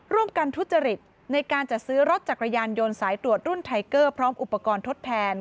ทุจริตในการจัดซื้อรถจักรยานยนต์สายตรวจรุ่นไทเกอร์พร้อมอุปกรณ์ทดแทน